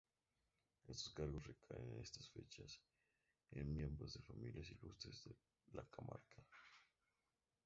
Estos cargos recaen en estas fechas en miembros de familias ilustres de la comarca.